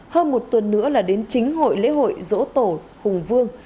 hơn một tuần nữa là đến chính hội lễ hội dỗ tổ hùng vương